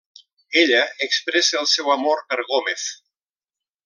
Ella expressa el seu amor per Gómez.